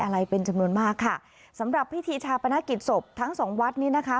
อะไรเป็นจำนวนมากค่ะสำหรับพิธีชาปนกิจศพทั้งสองวัดนี้นะคะ